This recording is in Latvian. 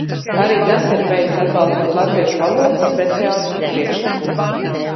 Arī tas ir veikts, atbalstot latviešu valodas speciālistu priekšlikumu.